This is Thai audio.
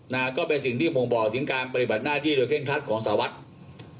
นะครับก็เป็นสิ่งที่ผมบอกถึงการปฏิบัติหน้าที่โดยเคลื่อนคลัดของสาวัสตร์